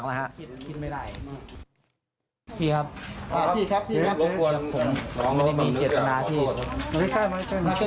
คิดไม่ได้พี่ครับอ่าพี่ครับพี่ครับผมไม่ได้มีเกียรตินาที่มาใกล้